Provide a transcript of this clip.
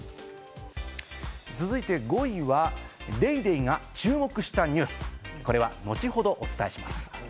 続いて５位は『ＤａｙＤａｙ．』が注目したニュース、これは後ほどお伝えします。